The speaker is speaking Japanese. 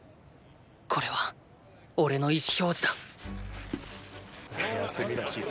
これはおれの意思表示だ休みらしいぞ。